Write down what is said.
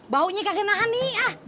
baunya kaget nahan nih ah